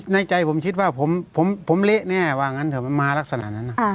ในใจผมคิดว่าผมเละแน่ว่างั้นเถอะมาลักษณะนั้น